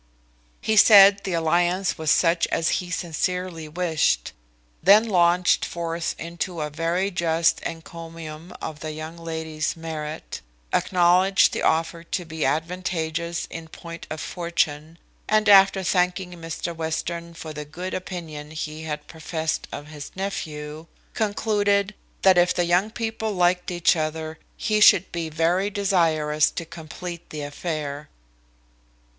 He said the alliance was such as he sincerely wished; then launched forth into a very just encomium on the young lady's merit; acknowledged the offer to be advantageous in point of fortune; and after thanking Mr Western for the good opinion he had professed of his nephew, concluded, that if the young people liked each other, he should be very desirous to complete the affair.